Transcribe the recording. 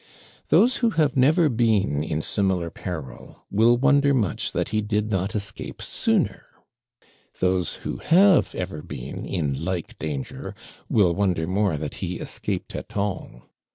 Those who have never been in similar peril will wonder much that he did not escape sooner; those who have ever been in like danger will wonder more that he escaped at all.